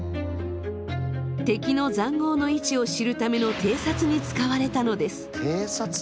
敵の塹壕の位置を知るための偵察に使われたのです。